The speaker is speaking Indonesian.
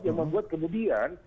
yang membuat kemudian